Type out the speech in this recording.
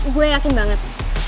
gue yakin banget